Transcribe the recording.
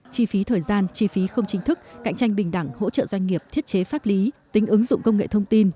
chi phí thời gian chi phí không chính thức cạnh tranh bình đẳng hỗ trợ doanh nghiệp thiết chế pháp lý tính ứng dụng công nghệ thông tin